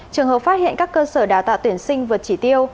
trường hợp phát hiện các cơ sở đào tạo tuyển sinh vượt chỉ tiêu